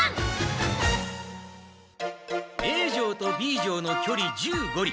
Ａ城とＢ城のきょり１５里